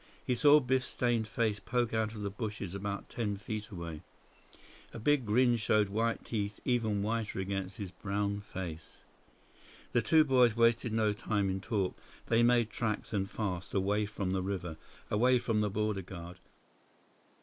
He saw Biff's stained face poke out of the bushes about ten feet away. A big grin showed white teeth even whiter against his brown face. The two boys wasted no time in talk. They made tracks, and fast, away from the river, away from the border guard.